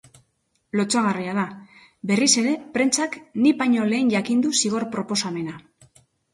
Lotsagarria da, berriz ere prentsak nik baino lehen jakin du zigor-proposamena.